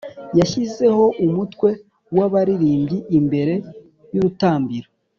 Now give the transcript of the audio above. Yashyizeho umutwe w’abaririmbyi imbere y’urutambiro,